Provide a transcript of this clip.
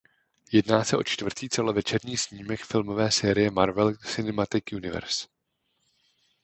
Jedná se o čtvrtý celovečerní snímek filmové série Marvel Cinematic Universe.